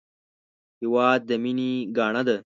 هېواد د مینې ګاڼه ده